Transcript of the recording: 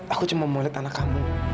aku tak pernah pernah dengan kamu